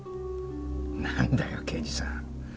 なんだよ刑事さん。